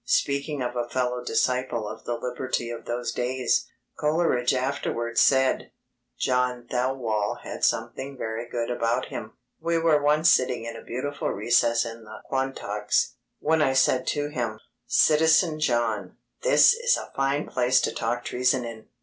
Speaking of a fellow disciple of the liberty of those days, Coleridge afterwards said: John Thelwall had something very good about him. We were once sitting in a beautiful recess in the Quantocks, when I said to him: "Citizen John, this is a fine place to talk treason in!"